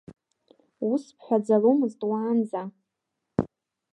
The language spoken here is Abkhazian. Ус бҳәаӡаломызт уаанӡа…